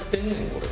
これ。